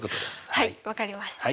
はいわかりました。